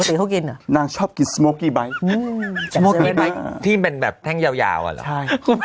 ปกติเขากินอ่ะนางชอบกินที่เป็นแบบแท่งยาวยาวอ่ะเหรอใช่